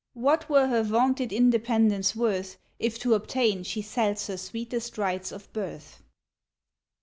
What were her vaunted independence worth If to obtain she sells her sweetest rights of birth?